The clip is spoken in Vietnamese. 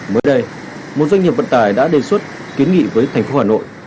mới đây một doanh nghiệp vận tải đã đề xuất kiến nghị với thành phố hà nội